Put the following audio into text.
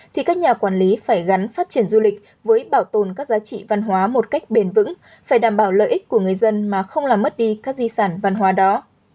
thì các nhà quản lý phải gắn phát triển du lịch với bảo tồn các giá trị văn hóa một cách bền vững phải đảm bảo lợi ích của người dân mà không làm mất đi các di sản văn hóa đó